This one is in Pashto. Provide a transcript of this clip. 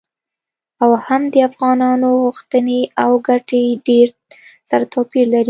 او هم د افغانانو غوښتنې او ګټې ډیر سره توپیر لري.